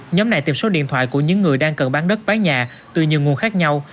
nhóm này tìm số điện thoại của những người đang cần bán đất bán nhà từ nhiều nguồn khác nhau